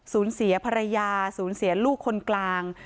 สูญเสียภรรยาสูญเสียลูกคนกลาง